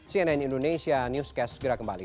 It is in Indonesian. cnn indonesia newscast segera kembali